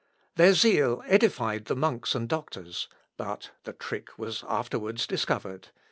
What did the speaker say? Their zeal edified the monks and doctors; but the trick was afterwards discovered.